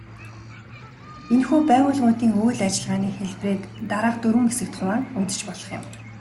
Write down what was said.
Энэхүү байгууллагуудын үйл ажиллагааны хэлбэрийг дараах дөрвөн хэсэгт хуваан үзэж болох юм.